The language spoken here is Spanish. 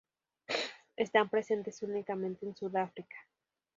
Están presentes únicamente en Sudáfrica.